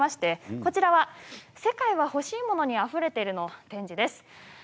こちらは「世界はほしいモノにあふれてる」のコーナーです。